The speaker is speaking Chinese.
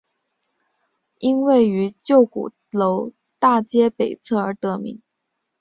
因位于旧鼓楼大街北侧而得名。